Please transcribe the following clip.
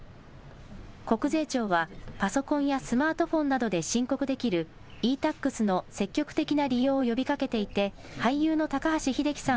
国税庁は、パソコンやスマートフォンなどで申告できるｅ−Ｔａｘの積極的な利用を呼びかけていて、俳優の高橋英樹さん